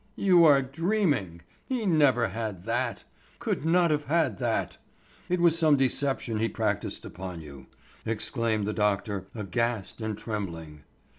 "You are dreaming! he never had that! Could not have had that! It was some deception he practised upon you!" exclaimed the doctor, aghast and trembling.